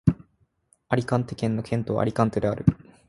アリカンテ県の県都はアリカンテである